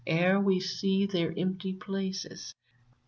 Ere we see their empty places